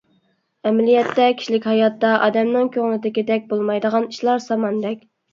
ئەمەلىيەتتە، كىشىلىك ھاياتتا ئادەمنىڭ كۆڭلىدىكىدەك بولمايدىغان ئىشلار ساماندەك.